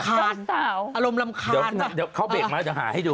จ้าสาวอารมณ์รำคาญนะเดี๋ยวเข้าเบรกมาหาให้ดู